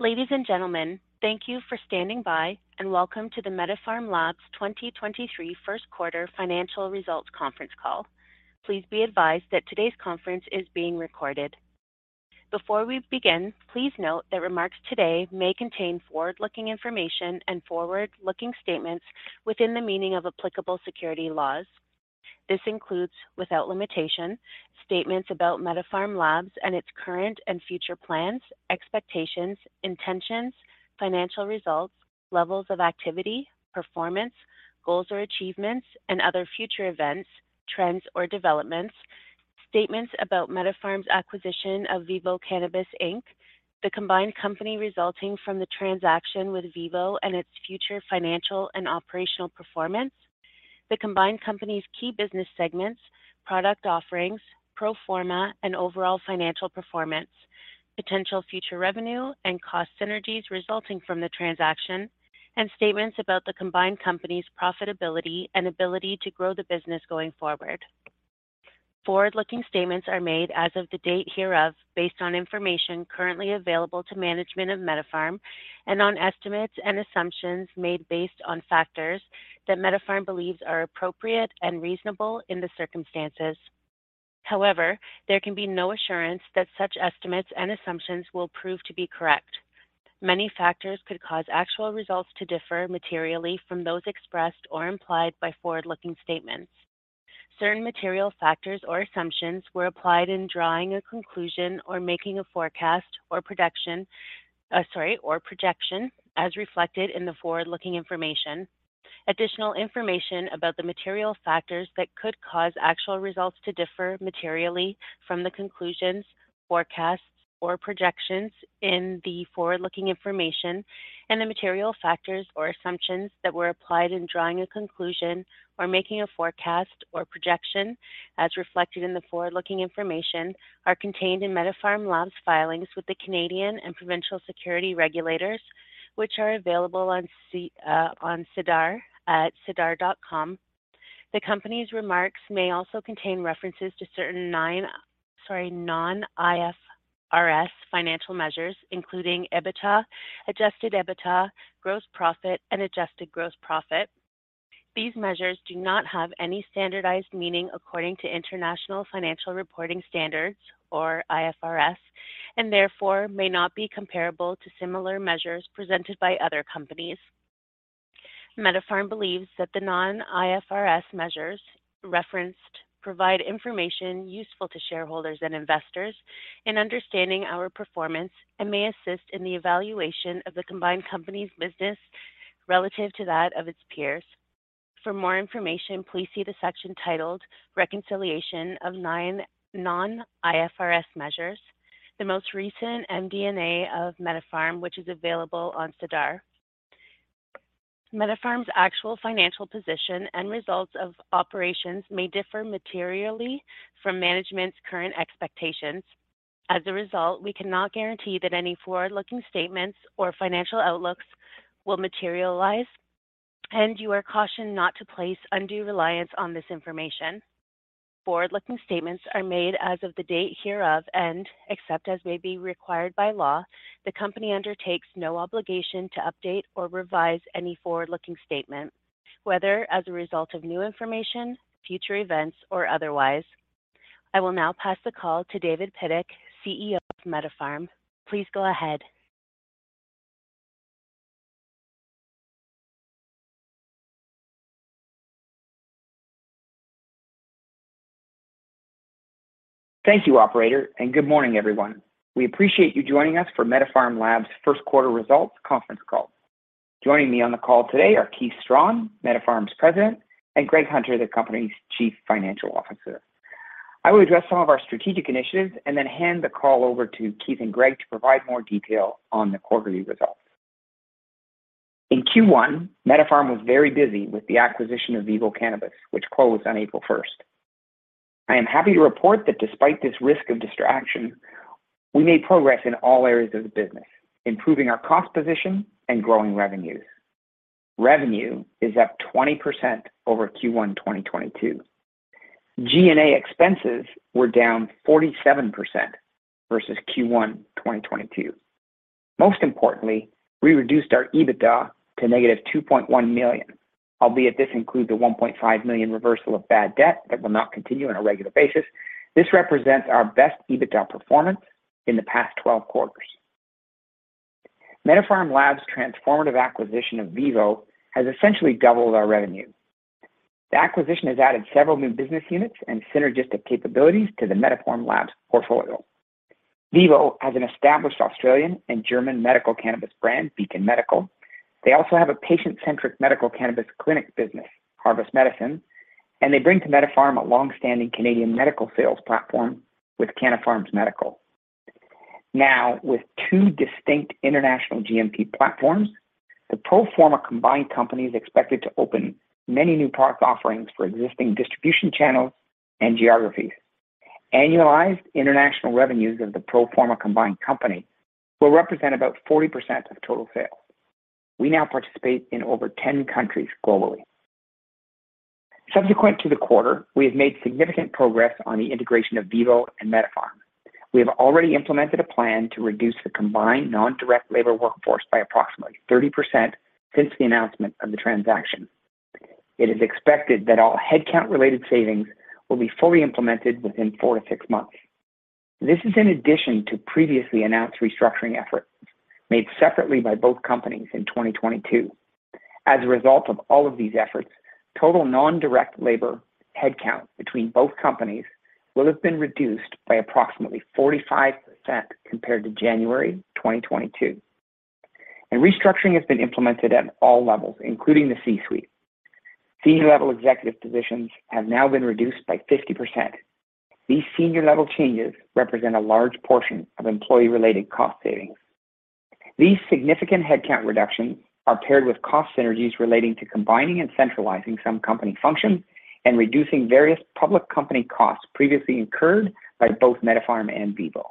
Ladies and gentlemen, thank you for standing by and welcome to the MediPharm Labs 2023 first quarter financial results conference call. Please be advised that today's conference is being recorded. Before we begin, please note that remarks today may contain forward-looking information and forward-looking statements within the meaning of applicable security laws. This includes, without limitation, statements about MediPharm Labs and its current and future plans, expectations, intentions, financial results, levels of activity, performance, goals or achievements and other future events, trends or developments. Statements about MediPharm's acquisition of VIVO Cannabis Inc., the combined company resulting from the transaction with VIVO and its future financial and operational performance. The combined company's key business segments, product offerings, pro forma, and overall financial performance, potential future revenue and cost synergies resulting from the transaction, and statements about the combined company's profitability and ability to grow the business going forward. Forward-looking statements are made as of the date hereof based on information currently available to management of MediPharm and on estimates and assumptions made based on factors that MediPharm believes are appropriate and reasonable in the circumstances. However, there can be no assurance that such estimates and assumptions will prove to be correct. Many factors could cause actual results to differ materially from those expressed or implied by forward-looking statements. Certain material factors or assumptions were applied in drawing a conclusion or making a forecast or production, sorry, or projection as reflected in the forward-looking information. Additional information about the material factors that could cause actual results to differ materially from the conclusions, forecasts, or projections in the forward-looking information and the material factors or assumptions that were applied in drawing a conclusion or making a forecast or projection as reflected in the forward-looking information are contained in MediPharm Labs filings with the Canadian and provincial security regulators, which are available on SEDAR at sedar.com. The company's remarks may also contain references to certain non-IFRS financial measures, including EBITDA, adjusted EBITDA, gross profit and adjusted gross profit. These measures do not have any standardized meaning according to International Financial Reporting Standards or IFRS, and therefore may not be comparable to similar measures presented by other companies. MediPharm believes that the non-IFRS measures referenced provide information useful to shareholders and investors in understanding our performance and may assist in the evaluation of the combined company's business relative to that of its peers. For more information, please see the section titled "Reconciliation of Non-IFRS Measures," the most recent MD&A of MediPharm, which is available on SEDAR. MediPharm's actual financial position and results of operations may differ materially from management's current expectations. As a result, we cannot guarantee that any forward-looking statements or financial outlooks will materialize, and you are cautioned not to place undue reliance on this information. Forward-looking statements are made as of the date hereof, and except as may be required by law, the company undertakes no obligation to update or revise any forward-looking statement, whether as a result of new information, future events, or otherwise. I will now pass the call to David Pidduck, CEO of MediPharm. Please go ahead. Thank you, operator, and good morning, everyone. We appreciate you joining us for MediPharm Labs' first quarter results conference call. Joining me on the call today are Keith Strachan, MediPharm's President, and Greg Hunter, the company's Chief Financial Officer. I will address some of our strategic initiatives and then hand the call over to Keith and Greg to provide more detail on the quarterly results. In Q1, MediPharm was very busy with the acquisition of VIVO Cannabis, which closed on April first. I am happy to report that despite this risk of distraction, we made progress in all areas of the business, improving our cost position and growing revenues. Revenue is up 20% over Q1 2022. G&A expenses were down 47% versus Q1 2022. Most importantly, we reduced our EBITDA to negative 2.1 million, albeit this includes a 1.5 million reversal of bad debt that will not continue on a regular basis. This represents our best EBITDA performance in the past 12 quarters. MediPharm Labs' transformative acquisition of VIVO has essentially doubled our revenue. The acquisition has added several new business units and synergistic capabilities to the MediPharm Labs portfolio. VIVO has an established Australian and German medical cannabis brand, Beacon Medical. They also have a patient-centric medical cannabis clinic business, Harvest Medicine, and they bring to MediPharm a long-standing Canadian medical sales platform with Canna Farms Medical. Now, with two distinct international GMP platforms, the pro forma combined company is expected to open many new product offerings for existing distribution channels and geographies. Annualized international revenues of the pro forma combined company will represent about 40% of total sales. We now participate in over 10 countries globally. Subsequent to the quarter, we have made significant progress on the integration of VIVO and MediPharm. We have already implemented a plan to reduce the combined non-direct labor workforce by approximately 30% since the announcement of the transaction. It is expected that all headcount-related savings will be fully implemented within four to six months. This is in addition to previously announced restructuring efforts made separately by both companies in 2022. Restructuring has been implemented at all levels, including the C-suite. Senior-level executive positions have now been reduced by 50%. These senior-level changes represent a large portion of employee-related cost savings. These significant headcount reductions are paired with cost synergies relating to combining and centralizing some company functions and reducing various public company costs previously incurred by both MediPharm and VIVO.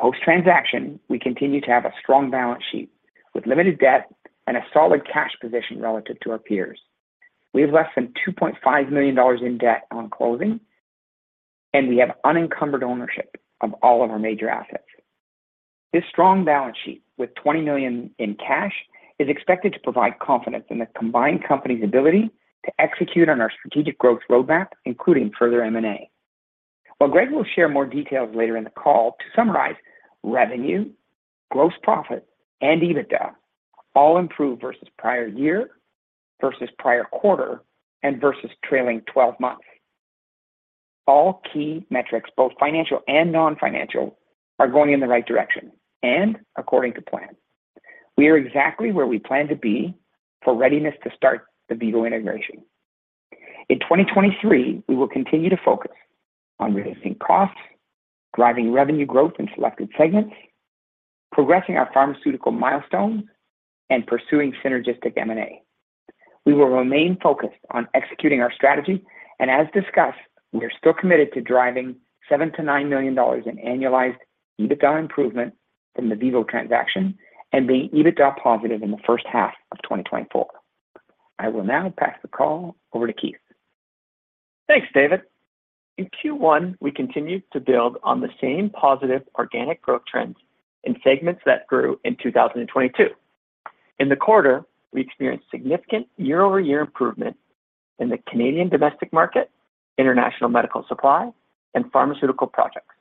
Post-transaction, we continue to have a strong balance sheet with limited debt and a solid cash position relative to our peers. We have less than 2.5 million dollars in debt on closing, and we have unencumbered ownership of all of our major assets. This strong balance sheet with 20 million in cash is expected to provide confidence in the combined company's ability to execute on our strategic growth roadmap, including further M&A. While Greg will share more details later in the call, to summarize, revenue, gross profit, and EBITDA all improve versus prior year, versus prior quarter, and versus trailing 12 months. All key metrics, both financial and non-financial, are going in the right direction and according to plan. We are exactly where we plan to be for readiness to start the VIVO integration. In 2023, we will continue to focus on reducing costs, driving revenue growth in selected segments, progressing our pharmaceutical milestones, and pursuing synergistic M&A. We will remain focused on executing our strategy, and as discussed, we are still committed to driving 7 million-9 million dollars in annualized EBITDA improvement from the VIVO transaction and being EBITDA positive in the first half of 2024. I will now pass the call over to Keith. Thanks, David. In Q1, we continued to build on the same positive organic growth trends in segments that grew in 2022. In the quarter, we experienced significant year-over-year improvement in the Canadian domestic market, international medical supply, and pharmaceutical projects.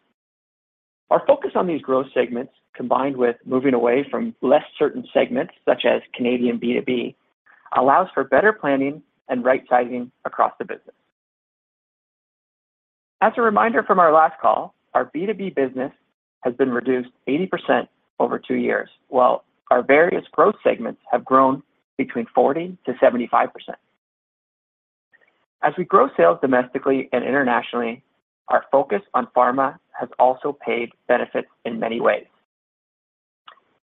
Our focus on these growth segments, combined with moving away from less certain segments, such as Canadian B2B, allows for better planning and right-sizing across the business. As a reminder from our last call, our B2B business has been reduced 80% over 2 years, while our various growth segments have grown between 40%-75%. As we grow sales domestically and internationally, our focus on pharma has also paid benefits in many ways.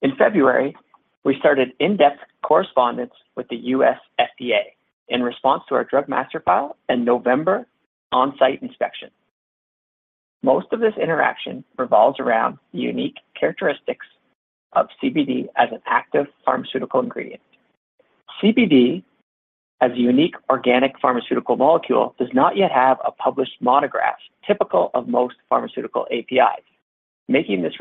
In February, we started in-depth correspondence with the U.S. FDA in response to our Drug Master File and November on-site inspection. Most of this interaction revolves around the unique characteristics of CBD as an active pharmaceutical ingredient. CBD, as a unique organic pharmaceutical molecule, does not yet have a published monograph, typical of most pharmaceutical APIs, making this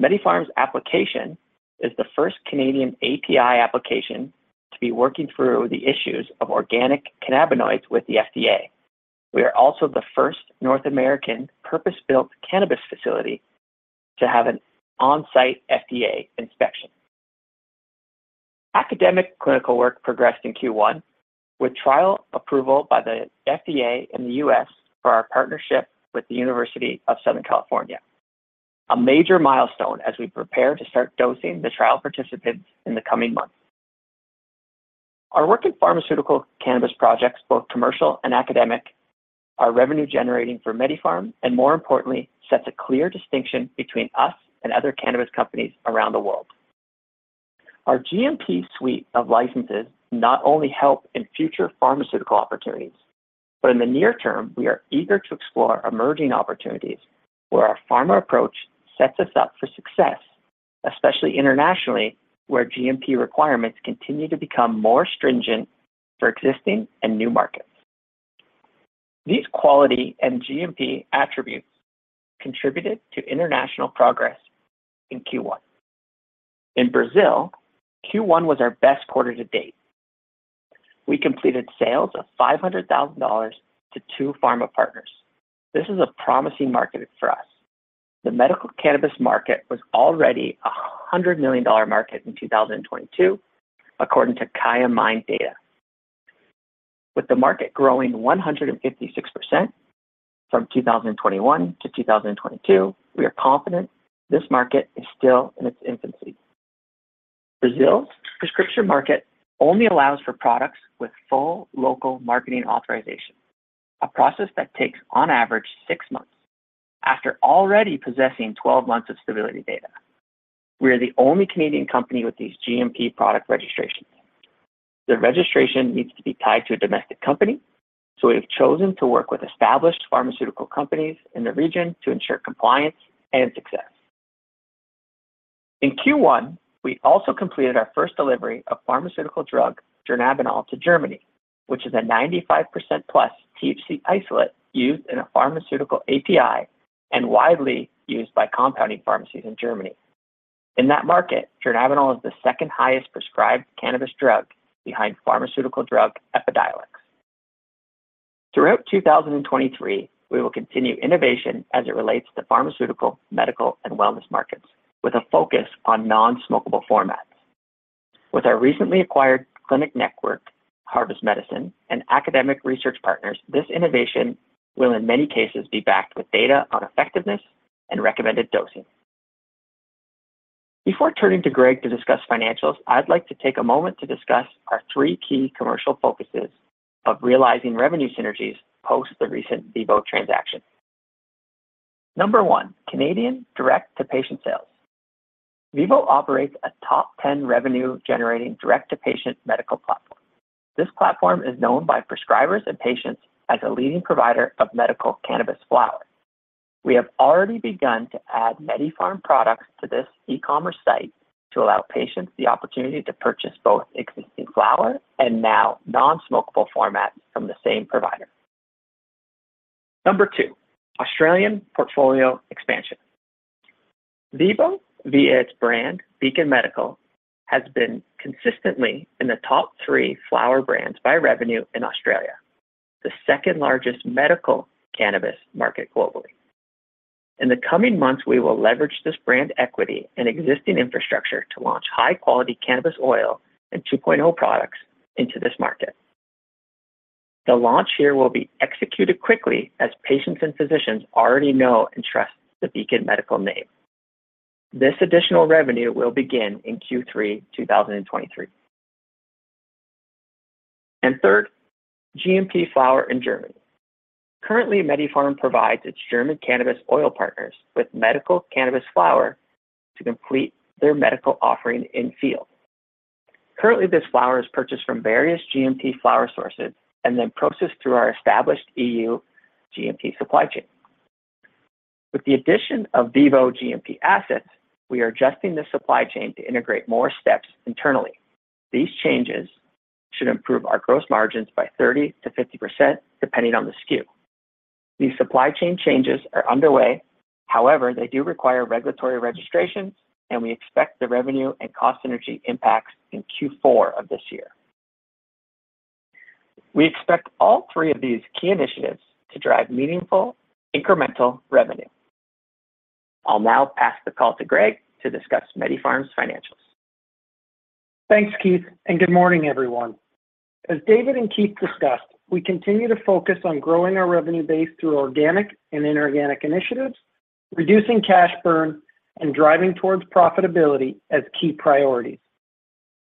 review process more complex. MediPharm's application is the first Canadian API application to be working through the issues of organic cannabinoids with the FDA. We are also the first North American purpose-built cannabis facility to have an on-site FDA inspection. Academic clinical work progressed in Q1 with trial approval by the FDA in the U.S. for our partnership with the University of Southern California, a major milestone as we prepare to start dosing the trial participants in the coming months. Our work in pharmaceutical cannabis projects, both commercial and academic, are revenue-generating for MediPharm, and more importantly, sets a clear distinction between us and other cannabis companies around the world. Our GMP suite of licenses not only help in future pharmaceutical opportunities, but in the near term, we are eager to explore emerging opportunities where our pharma approach sets us up for success, especially internationally, where GMP requirements continue to become more stringent for existing and new markets. These quality and GMP attributes contributed to international progress in Q1. In Brazil, Q1 was our best quarter to date. We completed sales of 500,000 dollars to two pharma partners. This is a promising market for us. The medical cannabis market was already a 100 million dollar market in 2022, according to Kaya Mind data. With the market growing 156% from 2021 to 2022, we are confident this market is still in its infancy. Brazil's prescription market only allows for products with full local marketing authorization, a process that takes on average 6 months after already possessing 12 months of stability data. We are the only Canadian company with these GMP product registrations. The registration needs to be tied to a domestic company, we have chosen to work with established pharmaceutical companies in the region to ensure compliance and success. In Q1, we also completed our first delivery of pharmaceutical drug Dronabinol to Germany, which is a 95%+ THC isolate used in a pharmaceutical API and widely used by compounding pharmacies in Germany. In that market, Dronabinol is the second highest prescribed cannabis drug behind pharmaceutical drug Epidiolex. Throughout 2023, we will continue innovation as it relates to pharmaceutical, medical, and wellness markets with a focus on non-smokable formats. With our recently acquired clinic network, Harvest Medicine and academic research partners, this innovation will in many cases be backed with data on effectiveness and recommended dosing. Before turning to Greg to discuss financials, I'd like to take a moment to discuss our three key commercial focuses of realizing revenue synergies post the recent VIVO transaction. Number one, Canadian direct-to-patient sales. VIVO operates a top 10 revenue-generating direct-to-patient medical platform. This platform is known by prescribers and patients as a leading provider of medical cannabis flower. We have already begun to add MediPharm products to this e-commerce site to allow patients the opportunity to purchase both existing flower and now non-smokable formats from the same provider. Number two, Australian portfolio expansion. VIVO, via its brand, Beacon Medical, has been consistently in the top three flower brands by revenue in Australia, the second-largest medical cannabis market globally. In the coming months, we will leverage this brand equity and existing infrastructure to launch high-quality cannabis oil and 2.0 products into this market. The launch here will be executed quickly as patients and physicians already know and trust the Beacon Medical name. This additional revenue will begin in Q3 2023. Third, GMP flower in Germany. Currently, MediPharm provides its German cannabis oil partners with medical cannabis flower to complete their medical offering in field. Currently, this flower is purchased from various GMP flower sources and then processed through our established EU GMP supply chain. With the addition of VIVO GMP assets, we are adjusting the supply chain to integrate more steps internally. These changes should improve our gross margins by 30%-50% depending on the SKU. These supply chain changes are underway. They do require regulatory registrations, and we expect the revenue and cost synergy impacts in Q4 of this year. We expect all 3 of these key initiatives to drive meaningful incremental revenue. I'll now pass the call to Greg to discuss MediPharm's financials. Thanks, Keith. Good morning, everyone. As David and Keith discussed, we continue to focus on growing our revenue base through organic and inorganic initiatives, reducing cash burn, and driving towards profitability as key priorities.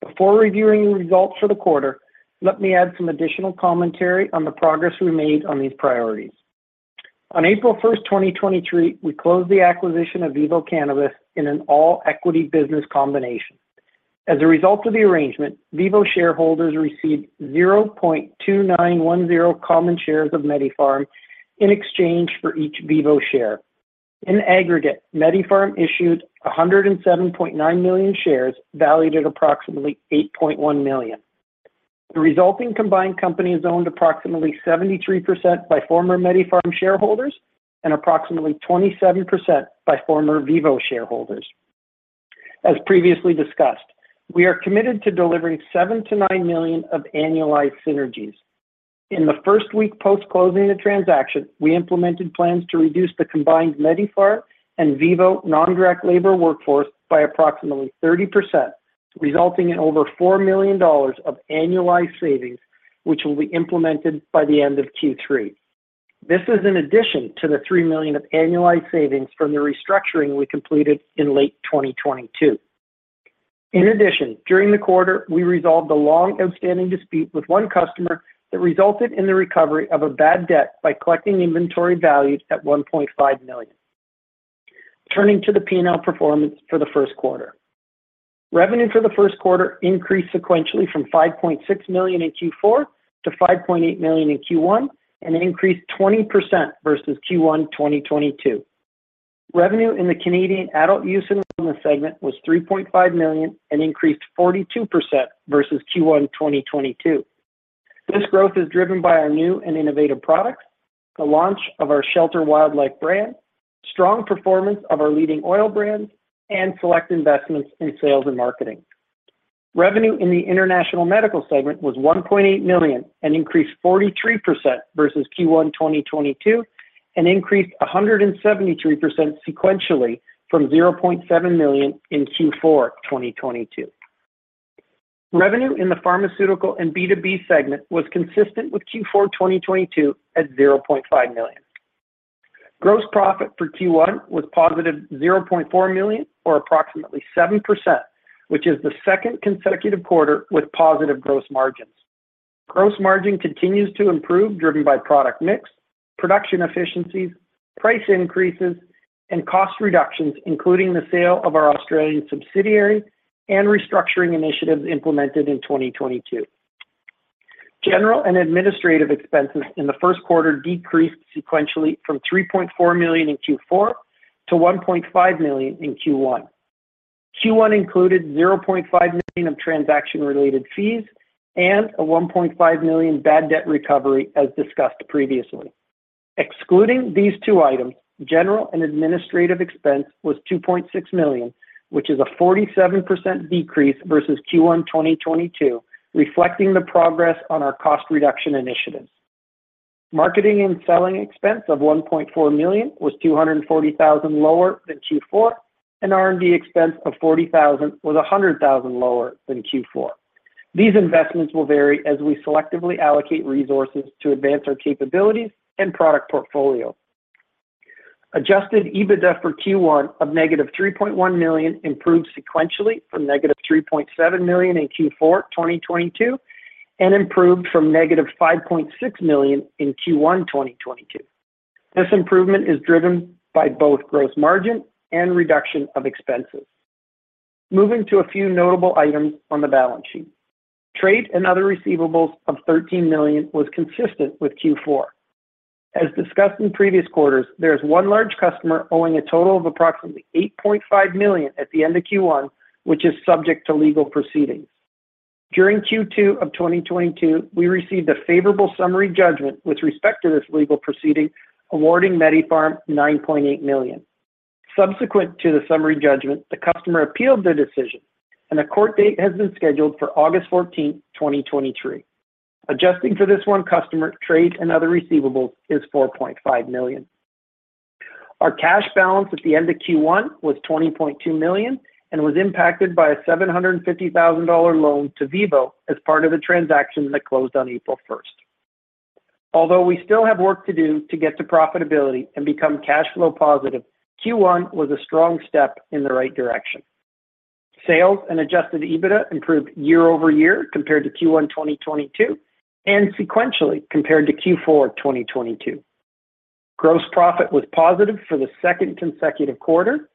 Before reviewing results for the quarter, let me add some additional commentary on the progress we made on these priorities. On April first, 2023, we closed the acquisition of VIVO Cannabis in an all-equity business combination. As a result of the arrangement, VIVO shareholders received 0.2910 common shares of MediPharm Labs in exchange for each VIVO share. In aggregate, MediPharm Labs issued 107.9 million shares valued at approximately 8.1 million. The resulting combined company is owned approximately 73% by former MediPharm Labs shareholders and approximately 27% by former VIVO shareholders. As previously discussed, we are committed to delivering 7 million-9 million of annualized synergies. In the first week post-closing the transaction, we implemented plans to reduce the combined MediPharm Labs and VIVO non-direct labor workforce by approximately 30%, resulting in over 4 million dollars of annualized savings, which will be implemented by the end of Q3. This is in addition to the 3 million of annualized savings from the restructuring we completed in late 2022. During the quarter, we resolved a long-outstanding dispute with one customer that resulted in the recovery of a bad debt by collecting inventory valued at 1.5 million. Turning to the P&L performance for the first quarter. Revenue for the first quarter increased sequentially from 5.6 million in Q4 to 5.8 million in Q1, and it increased 20% versus Q1 2022. Revenue in the Canadian adult use and wellness segment was 3.5 million and increased 42% versus Q1 2022. This growth is driven by our new and innovative products, the launch of our Shelter Wildlife brand, strong performance of our leading oil brands, and select investments in sales and marketing. Revenue in the international medical segment was 1.8 million and increased 43% versus Q1 2022, and increased 173% sequentially from 0.7 million in Q4 2022. Revenue in the pharmaceutical and B2B segment was consistent with Q4 2022 at 0.5 million. Gross profit for Q1 was positive 0.4 million or approximately 7%, which is the second consecutive quarter with positive gross margins. Gross margin continues to improve, driven by product mix, production efficiencies, price increases, and cost reductions, including the sale of our Australian subsidiary and restructuring initiatives implemented in 2022. General and administrative expenses in the first quarter decreased sequentially from 3.4 million in Q4 to 1.5 million in Q1. Q1 included 0.5 million of transaction-related fees and a 1.5 million bad debt recovery, as discussed previously. Excluding these two items, general and administrative expense was 2.6 million, which is a 47% decrease versus Q1 2022, reflecting the progress on our cost reduction initiatives. Marketing and selling expense of 1.4 million was 240,000 lower than Q4, and R&D expense of 40,000 was 100,000 lower than Q4. These investments will vary as we selectively allocate resources to advance our capabilities and product portfolio. Adjusted EBITDA for Q1 of negative 3.1 million improved sequentially from negative 3.7 million in Q4 2022 and improved from negative 5.6 million in Q1 2022. This improvement is driven by both gross margin and reduction of expenses. Moving to a few notable items on the balance sheet. Trade and other receivables of 13 million was consistent with Q4. As discussed in previous quarters, there is one large customer owing a total of approximately 8.5 million at the end of Q1, which is subject to legal proceedings. During Q2 of 2022, we received a favorable summary judgment with respect to this legal proceeding, awarding MediPharm 9.8 million. Subsequent to the summary judgment, the customer appealed the decision, and a court date has been scheduled for August 14, 2023. Adjusting for this one customer, trade and other receivables is 4.5 million. Our cash balance at the end of Q1 was 20.2 million and was impacted by a 750,000 dollar loan to VIVO as part of the transaction that closed on April 1. Although we still have work to do to get to profitability and become cash flow positive, Q1 was a strong step in the right direction. Sales and adjusted EBITDA improved year-over-year compared to Q1 2022 and sequentially compared to Q4 2022. Gross profit was positive for the second consecutive quarter.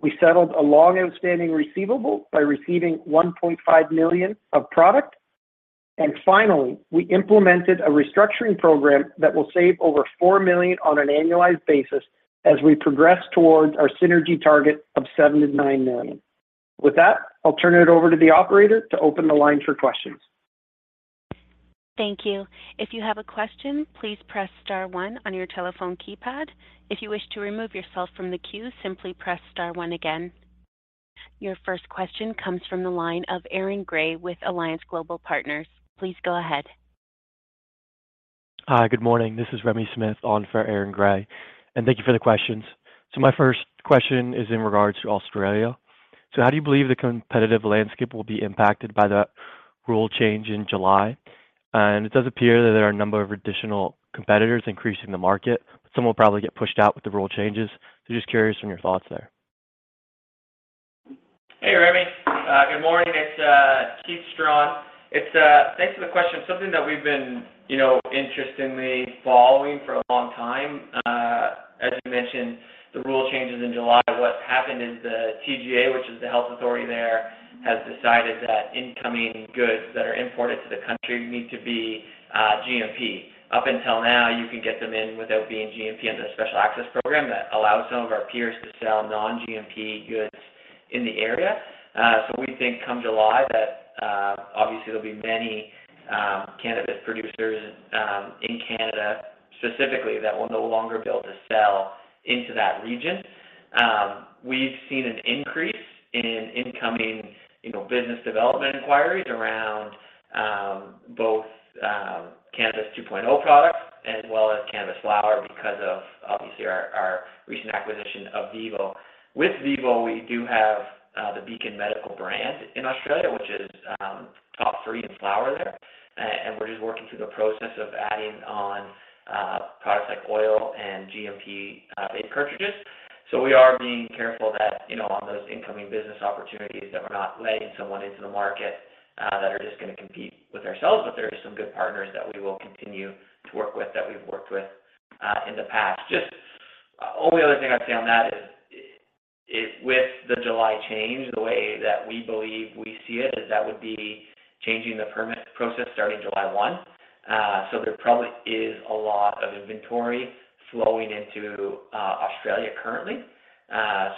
We settled a long-outstanding receivable by receiving 1.5 million of product. Finally, we implemented a restructuring program that will save over 4 million on an annualized basis as we progress towards our synergy target of 7 million-9 million. With that, I'll turn it over to the operator to open the line for questions. Thank you. If you have a question, please press star 1 on your telephone keypad. If you wish to remove yourself from the queue, simply press star 1 again. Your first question comes from the line of Aaron Grey with Alliance Global Partners. Please go ahead. Hi. Good morning. This is Remington Smith on for Aaron Grey, and thank you for the questions. My first question is in regards to Australia. How do you believe the competitive landscape will be impacted by the rule change in July? It does appear that there are a number of additional competitors increasing the market. Some will probably get pushed out with the rule changes. Just curious on your thoughts there. Hey, Remy. Good morning. It's Keith Strachan. Thanks for the question. Something that we've been, you know, interestingly following for a long time, as you mentioned, the rule changes in July. What's happened is the TGA, which is the health authority there, has decided that incoming goods that are imported to the country need to be GMP. Up until now, you can get them in without being GMP under the Special Access Program that allows some of our peers to sell non-GMP goods in the area. We think come July that, obviously, there'll be many cannabis producers in Canada specifically that will no longer be able to sell into that region. We've seen an increase in incoming, you know, business development inquiries around both Cannabis 2.0 products as well as cannabis flower because of, obviously, our recent acquisition of VIVO. With VIVO, we do have the Beacon Medical brand in Australia, which is top 3 in flower there. We're just working through the process of adding on products like oil and GMP vape cartridges. We are being careful that, you know, on those incoming business opportunities, that we're not letting someone into the market that are just gonna compete with ourselves. There are some good partners that we will continue to work with that we've worked with in the past. Just only other thing I'd say on that is with the July change, the way that we believe we see it is that would be changing the permit process starting July 1. There probably is a lot of inventory flowing into Australia currently.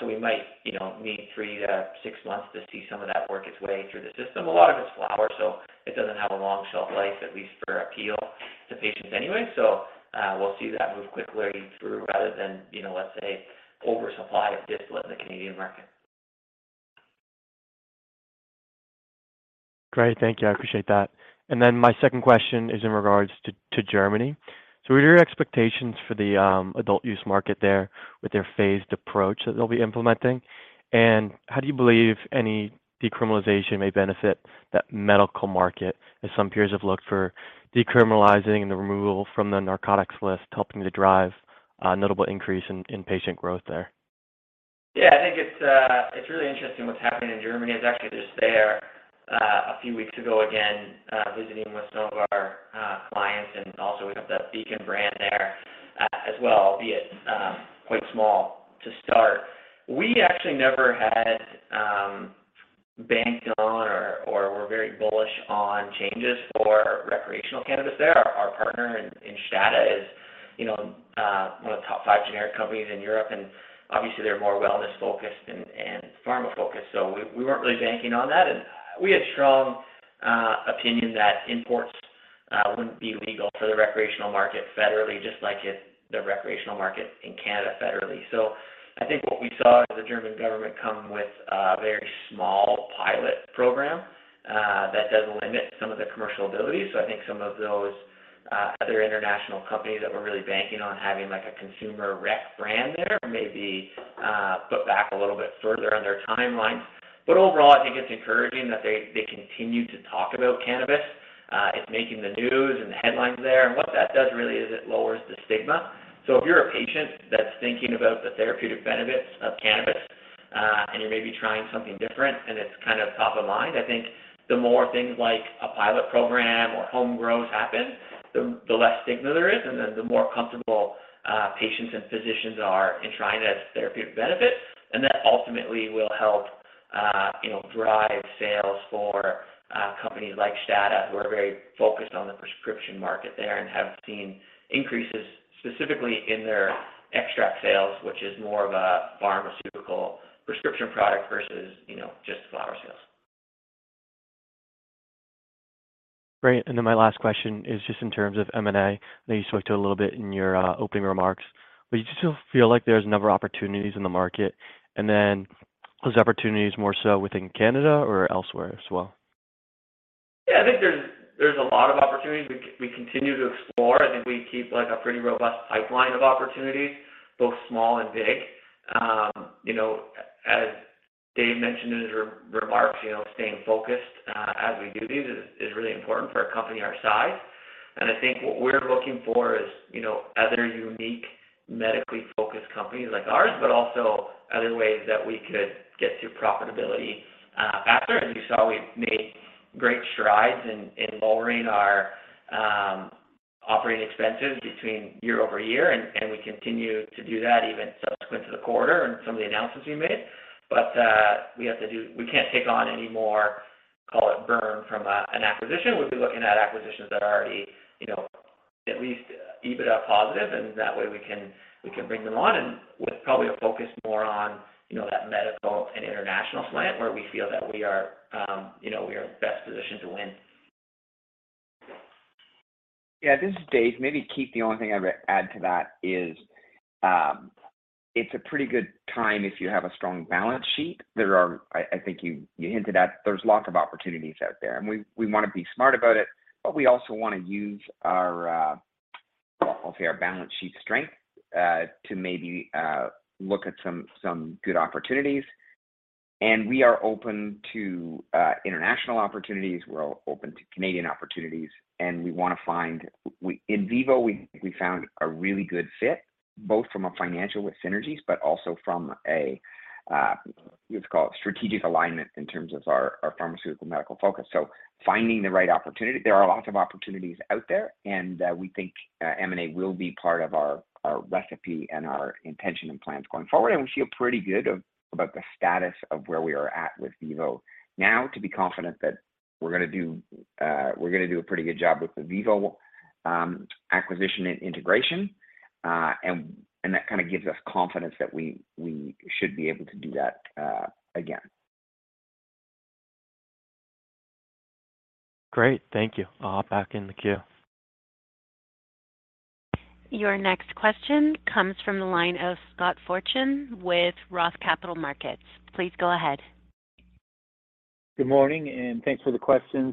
We might, you know, need three to six months to see some of that work its way through the system. A lot of it's flower, so it doesn't have a long shelf life, at least for appeal to patients anyway. We'll see that move quickly through rather than, you know, let's say, oversupply of distillate in the Canadian market. Great. Thank you. I appreciate that. My second question is in regards to Germany. What are your expectations for the adult use market there with their phased approach that they'll be implementing? How do you believe any decriminalization may benefit that medical market, as some peers have looked for decriminalizing and the removal from the narcotics list helping to drive a notable increase in patient growth there? I think it's really interesting what's happening in Germany. I was actually just there a few weeks ago, again, visiting with some of our clients, and also we have the Beacon brand there as well, be it quite small to start. We actually never had. Banked on or were very bullish on changes for recreational cannabis there. Our partner in STADA is, you know, 1 of the top 5 generic companies in Europe, and obviously they're more wellness-focused and pharma-focused. We weren't really banking on that. We had strong opinion that imports wouldn't be legal for the recreational market federally, just like the recreational market in Canada federally. I think what we saw is the German government come with a very small pilot program that does limit some of their commercial abilities. I think some of those other international companies that were really banking on having like a consumer rec brand there may be put back a little bit further on their timelines. Overall, I think it's encouraging that they continue to talk about cannabis. It's making the news and the headlines there. What that does really is it lowers the stigma. If you're a patient that's thinking about the therapeutic benefits of cannabis, and you're maybe trying something different and it's kind of top of mind, I think the more things like a pilot program or home grows happen, the less stigma there is and the more comfortable, patients and physicians are in trying the therapeutic benefits. That ultimately will help, you know, drive sales for companies like STADA, who are very focused on the prescription market there and have seen increases specifically in their extract sales, which is more of a pharmaceutical prescription product versus, you know, just flower sales. Great. My last question is just in terms of M&A. I know you spoke to it a little bit in your opening remarks. Do you still feel like there's a number of opportunities in the market? Are those opportunities more so within Canada or elsewhere as well? Yeah. I think there's a lot of opportunities we continue to explore. I think we keep, like, a pretty robust pipeline of opportunities, both small and big. You know, as Dave mentioned in his remarks, you know, staying focused as we do these is really important for a company our size. I think what we're looking for is, you know, other unique medically focused companies like ours, but also other ways that we could get to profitability faster. As you saw, we've made great strides in lowering our operating expenses year-over-year, and we continue to do that even subsequent to the quarter and some of the announcements we made. We have to do. We can't take on any more, call it burn from an acquisition. We'd be looking at acquisitions that are already, you know, at least EBITDA positive, and that way we can bring them on and with probably a focus more on, you know, that medical and international slant where we feel that we are, you know, we are best positioned to win. Yeah. This is Dave. Maybe, Keith, the only thing I would add to that is it's a pretty good time if you have a strong balance sheet. I think you hinted at, there's lots of opportunities out there, and we wanna be smart about it, but we also wanna use our, I'll say our balance sheet strength to maybe look at some good opportunities. We are open to international opportunities, we're open to Canadian opportunities, and VIVO, we found a really good fit, both from a financial with synergies, but also from a what you'd call a strategic alignment in terms of our pharmaceutical medical focus. Finding the right opportunity. There are lots of opportunities out there, and we think M&A will be part of our recipe and our intention and plans going forward. We feel pretty good about the status of where we are at with VIVO now to be confident that we're gonna do a pretty good job with the VIVO acquisition and integration. That kind of gives us confidence that we should be able to do that again. Great. Thank you. I'll hop back in the queue. Your next question comes from the line of Scott Fortune with ROTH Capital Partners. Please go ahead. Good morning, and thanks for the questions.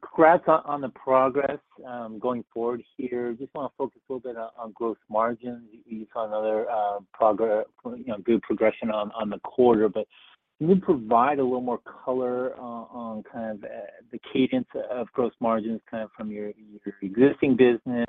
Congrats on the progress going forward here. Just wanna focus a little bit on growth margins. You, you saw another progress, you know, good progression on the quarter. Can you provide a little more color on kind of the cadence of gross margins, kind of from your existing business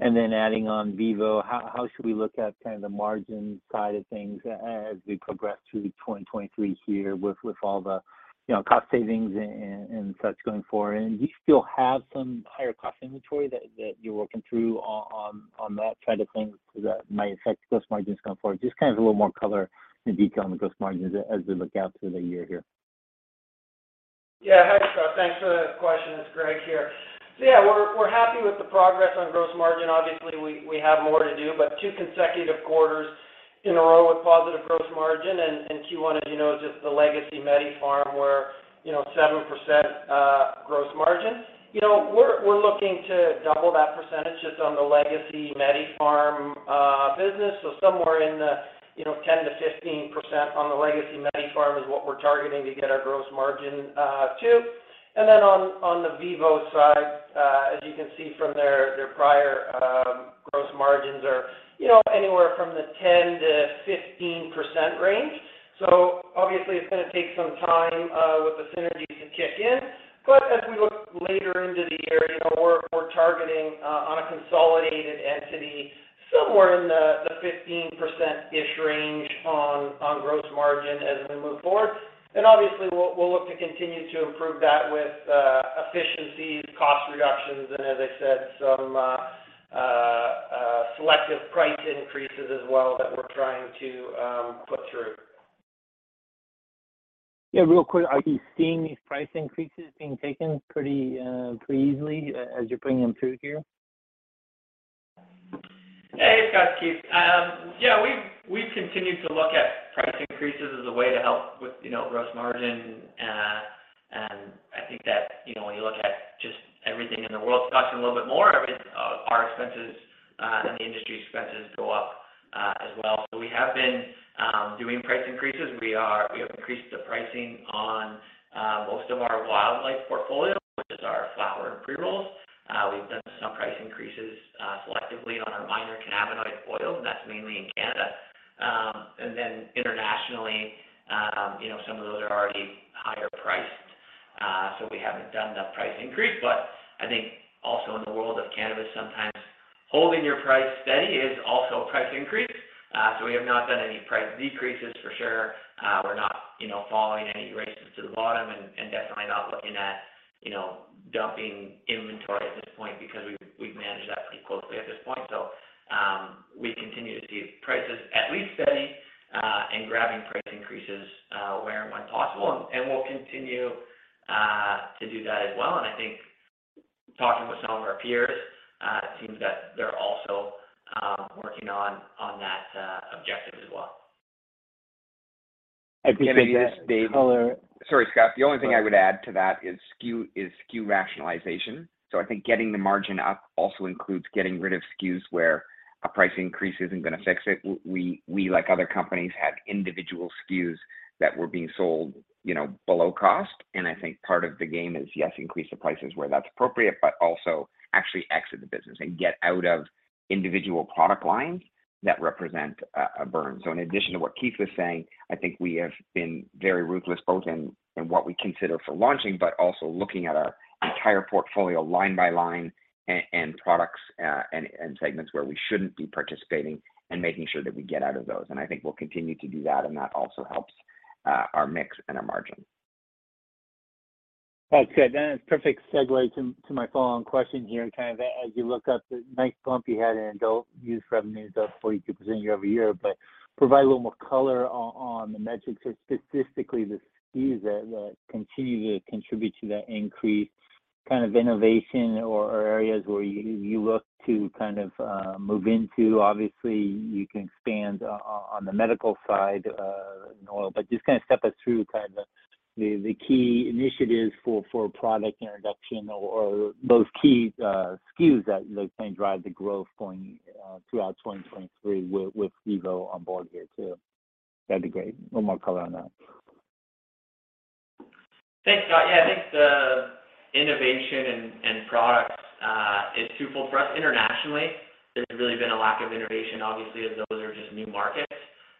and then adding on VIVO? How, how should we look at kind of the margin side of things as we progress through the 2023 year with all the, you know, cost savings and such going forward? Do you still have some higher cost inventory that you're working through on that kind of thing that might affect gross margins going forward? Just kind of a little more color and detail on the gross margins as we look out through the year here. Yeah. Hi, Scott. Thanks for the question. It's Greg here. Yeah, we're happy with the progress on gross margin. Obviously, we have more to do, but two consecutive quarters in a row with positive gross margin. Q1, as you know, is just the legacy MediPharm Labs where, you know, 7% gross margin. You know, we're looking to double that percentage just on the legacy MediPharm Labs business. Somewhere in the, you know, 10%-15% on the legacy MediPharm Labs is what we're targeting to get our gross margin to. On the VIVO side, as you can see from their prior gross margins are, you know, anywhere from the 10%-15% range. Obviously it's gonna take some time with the synergies to kick in. As we look later into the year, you know, we're targeting on a consolidated entity somewhere in the 15%-ish range on gross margin as we move forward. Obviously we'll look to continue to improve that with efficiencies, cost reductions, and as I said, some Selective price increases as well that we're trying to put through. Yeah, real quick. Are you seeing these price increases being taken pretty easily as you're putting them through here? Hey, Scott, it's Keith. Yeah, we've continued to look at price increases as a way to help with, you know, gross margin. I think that, you know, when you look at just everything in the world costing a little bit more, our expenses and the industry's expenses go up as well. We have been doing price increases. We have increased the pricing on most of our Wildlife portfolio, which is our flower and pre-rolls. We've done some price increases selectively on our minor cannabinoid oils, and that's mainly in Canada. Then internationally, you know, some of those are already higher priced, so we haven't done the price increase. I think also in the world of cannabis, sometimes holding your price steady is also a price increase. We have not done any price decreases for sure. We're not, you know, following any races to the bottom and definitely not looking at, you know, dumping inventory at this point because we've managed that pretty closely at this point. We continue to see prices at least steady and grabbing price increases where and when possible, and we'll continue to do that as well. I think talking with some of our peers, it seems that they're also working on that objective as well. I appreciate the color. Sorry, Scott. The only thing I would add to that is SKU rationalization. I think getting the margin up also includes getting rid of SKUs where a price increase isn't gonna fix it. We, like other companies, have individual SKUs that were being sold, you know, below cost. I think part of the game is, yes, increase the prices where that's appropriate, but also actually exit the business and get out of individual product lines that represent a burn. In addition to what Keith was saying, I think we have been very ruthless both in what we consider for launching, but also looking at our entire portfolio line by line and products, and segments where we shouldn't be participating and making sure that we get out of those. I think we'll continue to do that, and that also helps our mix and our margin. That's good. A perfect segue to my follow-on question here. Kind of as you look up the nice bump you had in adult use revenues up 42% year-over-year, but provide a little more color on the metrics statistically, the SKUs that continue to contribute to that increase kind of innovation or areas where you look to kind of move into. Obviously, you can expand on the medical side, in oil, but just kind of step us through kind of the key initiatives for product introduction or those key SKUs that you think drive the growth going throughout 2023 with VIVO on board here too. That'd be great. One more color on that. Thanks, Scott. Yeah, I think the innovation and products is twofold for us. Internationally, there's really been a lack of innovation, obviously, as those are just new markets.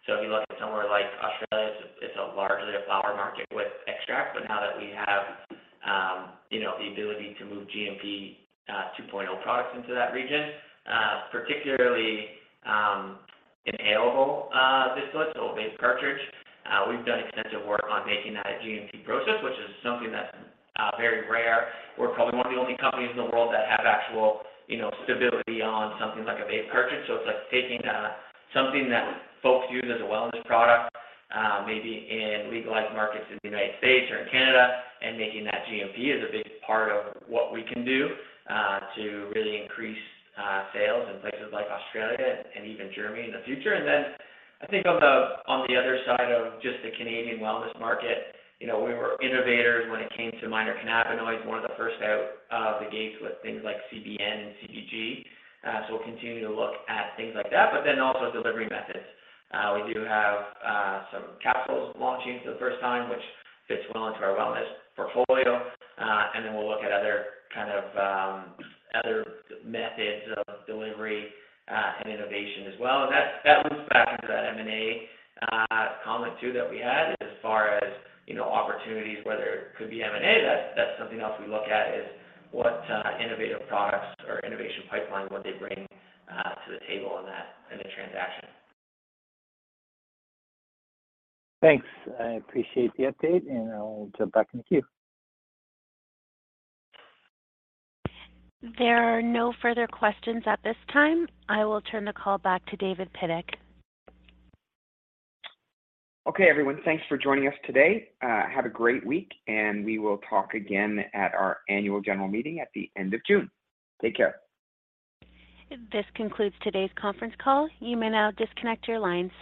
If you look at somewhere like Australia, it's a largely a flower market with extract. Now that we have, you know, the ability to move GMP 2.0 products into that region, particularly inhalable distillates, so vape cartridge, we've done extensive work on making that a GMP process, which is something that's very rare. We're probably one of the only companies in the world that have actual, you know, stability on something like a vape cartridge. It's like taking something that folks use as a wellness product, maybe in legalized markets in the United States or in Canada, and making that GMP is a big part of what we can do to really increase sales in places like Australia and even Germany in the future. I think on the other side of just the Canadian wellness market, you know, we were innovators when it came to minor cannabinoids, one of the first out of the gates with things like CBN and CBG. We'll continue to look at things like that, but then also delivery methods. We do have some capsules launching for the first time, which fits well into our wellness portfolio. We'll look at other kind of other methods of delivery and innovation as well. That loops back into that M&A comment too that we had as far as, you know, opportunities, whether it could be M&A. That's something else we look at is what innovative products or innovation pipeline would they bring to the table in that, in a transaction. Thanks. I appreciate the update, and I'll jump back in the queue. There are no further questions at this time. I will turn the call back to David Pidduck. Okay, everyone. Thanks for joining us today. Have a great week, and we will talk again at our annual general meeting at the end of June. Take care. This concludes today's conference call. You may now disconnect your lines.